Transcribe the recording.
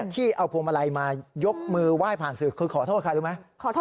ที่เอาพวงมาลัยมายกมือไหว้ผ่านสื่อคือขอโทษใครรู้ไหม